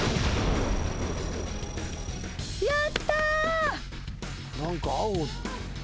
やったー！